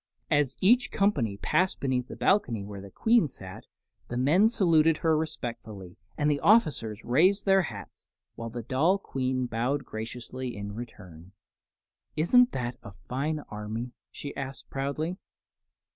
As each company passed beneath the balcony where the Queen sat, the men saluted her respectfully and the officers raised their hats, while the doll Queen bowed graciously in return. "Isn't that a fine army?" she asked, proudly.